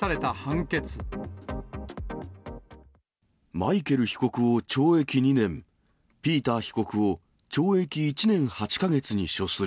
マイケル被告を懲役２年、ピーター被告を懲役１年８か月に処する。